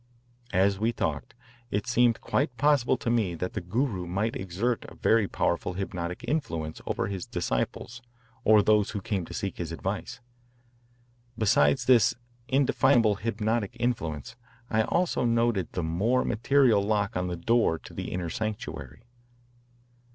As we talked, it seemed quite possible to me that the Guru might exert a very powerful hypnotic influence over his disciples or those who came to seek his advice. Besides this indefinable hypnotic influence, I also noted the more material lock on the door to the inner sanctuary.